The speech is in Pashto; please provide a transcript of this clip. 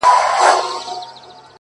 • دا د باروتو د اورونو کیسې,